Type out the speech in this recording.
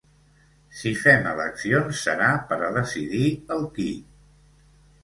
Si fem eleccions, serà per a decidir el qui.